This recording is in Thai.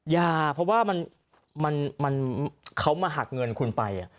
อย่าเพราะว่าเขามาหักเงินคุณไป